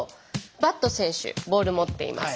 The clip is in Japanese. バット選手ボール持っています。